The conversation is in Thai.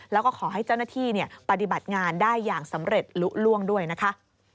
แล้วก็ขอให้เจ้าหน้าที่ปฏิบัติงานได้อย่างสำเร็จลุล่วงด้วยนะคะ